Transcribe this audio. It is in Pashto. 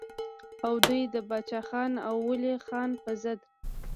او دوي د باچا خان او ولي خان پۀ ضد